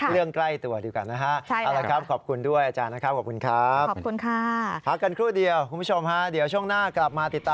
เรื่องใกล้ตัวดีกว่านะคะเอาละครับขอบคุณด้วยอาจารย์นะครับ